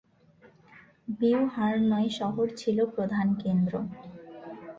Beauharnois শহর ছিল প্রধান কেন্দ্র।